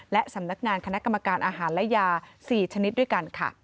และสำนักงานคณะกรรมการอาหารและยา๔ชนิดด้วยกันค่ะ